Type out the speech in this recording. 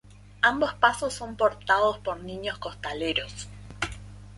Ambos pasos son portados por niños costaleros.